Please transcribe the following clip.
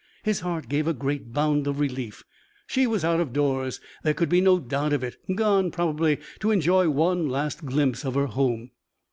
His heart gave a great bound of relief; she was out of doors there could be no doubt of it; gone, probably, to enjoy one last glimpse of her home.